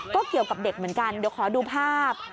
ก็เกี่ยวกับเด็กเหมือนกันเดี๋ยวขอดูภาพ